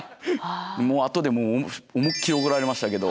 もう後で思いっきり怒られましたけど。